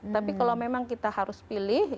tapi kalau memang kita harus pilih